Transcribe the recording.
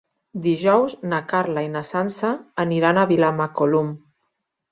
Dijous na Carla i na Sança aniran a Vilamacolum.